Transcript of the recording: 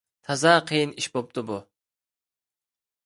تازا قىيىن ئىش بولۇپتۇ بۇ!